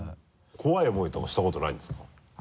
怖い思いとかしたことないんですか？